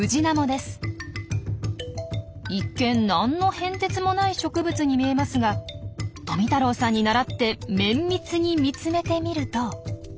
一見何の変哲もない植物に見えますが富太郎さんにならって綿密に見つめてみると。